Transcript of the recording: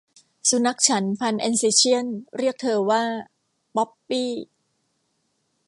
สุนัขฉันพันธุ์อัลเซเชี่ยนเรียกเธอว่า 'ป๊อปปี้'